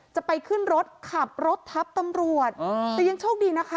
จะไปขึ้นรถขับรถทับตำรวจแต่ยังโชคดีนะคะ